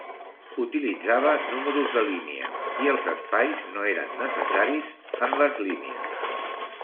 Utilitzava números de línia, i els espais no eren necessaris en les línies.